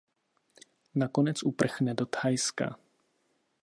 Nakonec uprchne do Thajska.